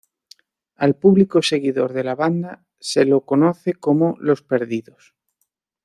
Al público seguidor de la banda se lo conoce como "Los Perdidos".